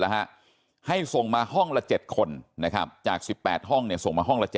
แล้วฮะให้ส่งมาห้องละ๗คนนะครับจาก๑๘ห้องเนี่ยส่งมาห้องละ๗